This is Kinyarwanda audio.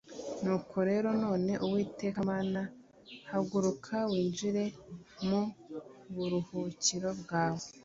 nuko rero none, uwiteka mana, haguruka winjire mu buruhukiro bwawe